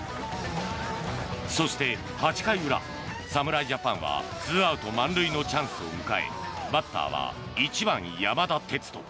そして８回裏、侍ジャパンは２アウト満塁のチャンスを迎えバッターは１番、山田哲人。